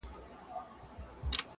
د همت ږغ مو په کل جهان کي خپور وو-